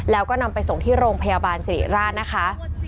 แล้วก็นำไปส่งที่โรงพยาบาลสิริราชนะคะ